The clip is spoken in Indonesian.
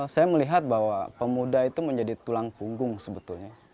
saya melihat bahwa pemuda itu menjadi tulang punggung sebetulnya